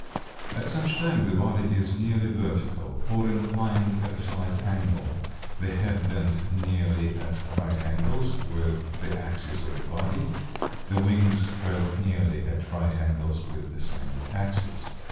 At such time the body is nearly vertical or inclined at a slight angle, the head bent nearly at right angles with the axis of the body, the wings spread nearly at right angles with the same axis."